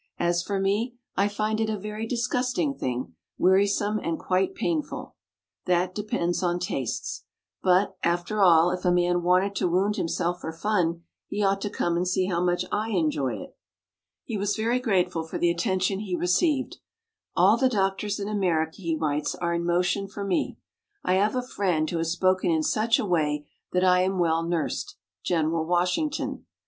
As for me, I find it a very disgusting thing, wearisome and quite painful. That depends on tastes. But, after all, if a man wanted to wound himself for fun, he ought to come and see how much I enjoy it." He was very grateful for the attention he received. "All the doctors in America," he writes, "are in motion for me. I have a friend who has spoken in such a way that I am well nursed General Washington.